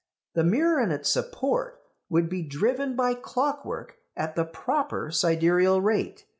The mirror and its support would be driven by clockwork at the proper sidereal rate.